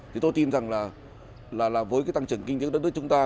thì tôi tin rằng là với cái tăng trưởng kinh tế đất nước chúng ta